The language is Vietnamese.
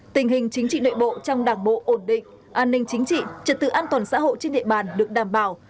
tình hình chính trị nội bộ trong đảng bộ ổn định an ninh chính trị trật tự an toàn xã hội trên địa bàn được đảm bảo